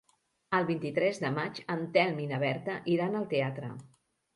El vint-i-tres de maig en Telm i na Berta iran al teatre.